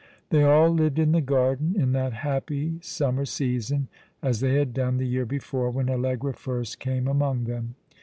They all lived in the garden in that happy summer season, as they had done the year before, when Allegra jBrst came among them.